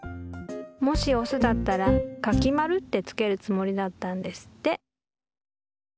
もしオスだったら柿丸って付けるつもりだったんですって。